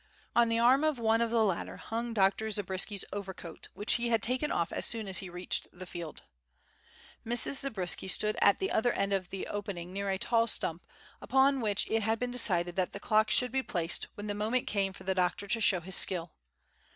On the arm of one of the latter hung Dr. Zabriskie's overcoat, which he had taken off as soon as he reached the field. Mrs. Zabriskie stood at the other end of the opening near a tall stump, upon which it had been decided that the clock should be placed when the moment came for the doctor to show his skill.